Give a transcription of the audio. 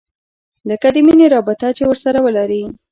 لکه د مينې رابطه چې ورسره ولري.